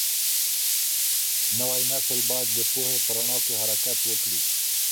نوی نسل باید د پوهې په رڼا کي حرکت وکړي.